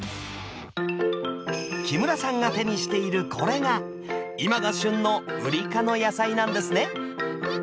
木村さんが手にしているこれが今が旬のウリ科の野菜なんですね